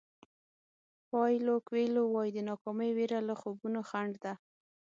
پایلو کویلو وایي د ناکامۍ وېره له خوبونو خنډ ده.